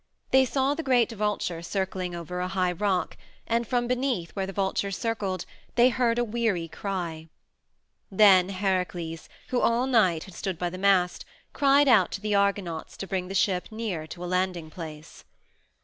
They saw the great vulture circling over a high rock, and from beneath where the vulture circled they heard a weary cry. Then Heracles, who all night had stood by the mast, cried out to the Argonauts to bring the ship near to a landing place.